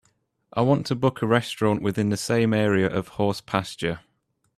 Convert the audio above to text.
I want to book a restaurant within the same area of Horse Pasture.